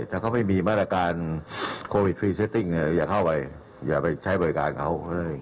ถ้าเขาไม่มีมาตรการโควิดฟรีเซตติ้งอย่าเข้าไปอย่าไปใช้บริการเขาเอง